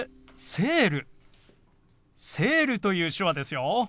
「セール」という手話ですよ。